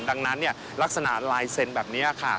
ดังนั้นลักษณะลายเซ็นต์แบบนี้ค่ะ